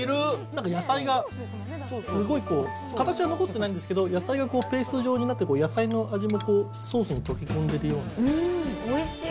なんか野菜がすごいこう、形は残ってないんですけど、野菜がペースト状になって、野菜の味がソースに溶け込んでいるような。